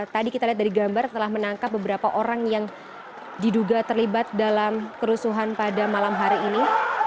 tadi kita lihat dari gambar telah menangkap beberapa orang yang diduga terlibat dalam kerusuhan pada malam hari ini